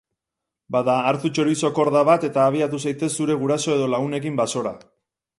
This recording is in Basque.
Bada, hartu txorizo-korda bat eta abiatu zaitez zure guraso edo lagunekin basora!